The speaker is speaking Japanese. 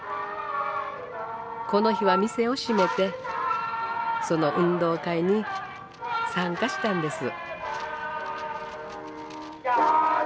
この日は店を閉めてその運動会に参加したんです。